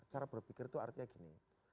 cara berpikir itu artinya gini